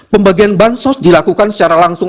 pembagian ban sos dilakukan secara langsung